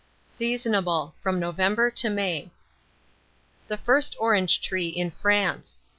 Seasonable from November to May. THE FIRST ORANGE TREE IN FRANCE.